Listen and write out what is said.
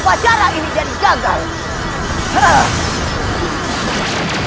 upacara ini jadi gagal